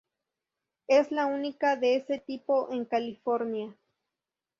Es la única de ese tipo en California.